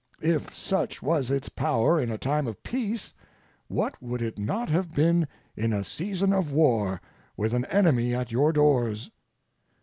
If such was its power in a time of peace, what would it not have been in a season of war, with an enemy at your doors?